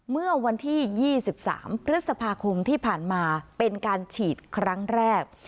เมื่อวันที่๒๓พฤษภาคมที่ผ่านมาเป็นการฉีดครั้งแรก